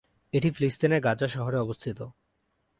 এটি ফিলিস্তিনের গাজা শহরে অবস্থিত।